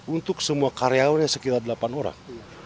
untuk semua karyawannya sekitar delapan orang